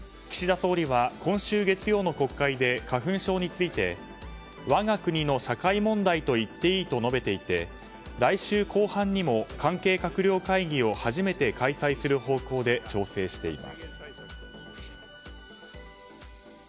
岸田総理は、今週月曜の国会で花粉症について我が国の社会問題と言っていいと述べていて来週後半にも関係閣僚会議を初めて開催する方向で調整しています。